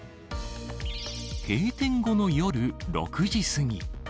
閉店後の夜６時過ぎ。